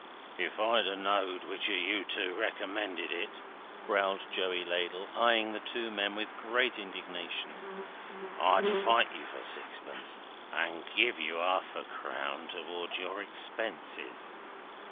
"If I know'd which o' you two recommended it," growled Joey Ladle, eyeing the two men with great indignation, "I'd fight you for sixpence, and give you half a crown towards your expenses.